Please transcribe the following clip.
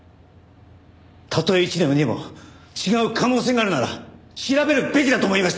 たとえ一でも二でも違う可能性があるなら調べるべきだと思いました！